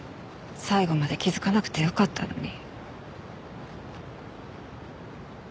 最後まで気づかなくてよかったのに。